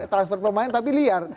transfer pemain tapi liar